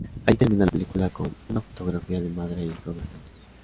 Allí termina la película, con una fotografía de madre e hijo abrazados.